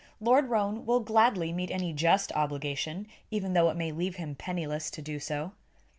"Lord Roane will gladly meet any just obligation, even though it may leave him penniless to do so."